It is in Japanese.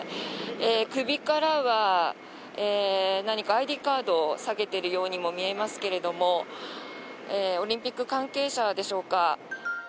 首からは何かＩＤカードを提げているようにも見えますがオリンピック関係者でしょうか。